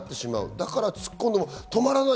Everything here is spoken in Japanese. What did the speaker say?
だから突っ込んでも止まらない